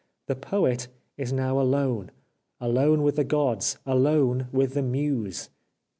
The Poet is now alone ! Alone with the Gods ! Alone with the Muse